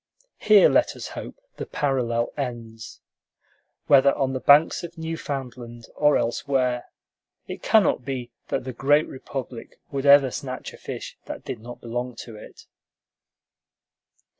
Here, let us hope, the parallel ends. Whether on the banks of Newfoundland or elsewhere, it cannot be that the great republic would ever snatch a fish that did not belong to it.